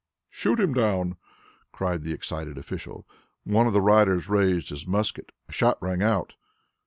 "Shoot him down!" cried the excited official. One of the riders raised his musket. A shot rang out.